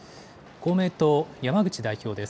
公明党の山口代表です。